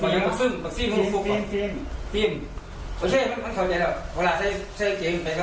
อยู่บ้านไทยเหรออยู่กับเพื่อน